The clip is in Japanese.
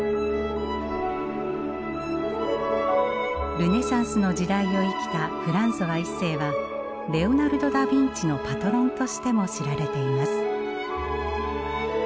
ルネサンスの時代を生きたフランソワ一世はレオナルド・ダビンチのパトロンとしても知られています。